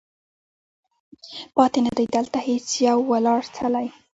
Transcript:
پاتې نه دی، دلته هیڅ یو ولاړ څلی